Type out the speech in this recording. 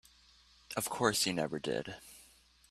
Of course you never did.